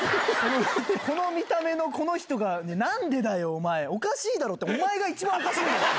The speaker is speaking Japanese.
この見た目のこの人が、なんでだよ、お前、おかしいだろうって、お前が一番おかしいんだって。